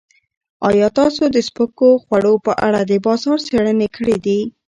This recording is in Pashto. ایا تاسو د سپکو خوړو په اړه د بازار څېړنې کړې دي؟